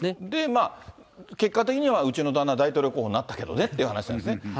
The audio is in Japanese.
で、結果的には、うちの旦那、大統領候補になったけどねっていう話なんですね。